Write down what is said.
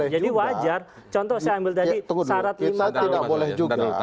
jadi kita tidak boleh juga